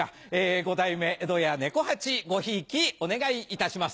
五代目江戸家猫八ごひいきお願いいたします。